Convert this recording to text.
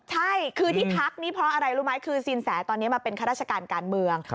ใช่คือที่ทักนี่เพราะอะไรรู้ไหมคือสินแสตอนนี้มาเป็นข้าราชการการเมือง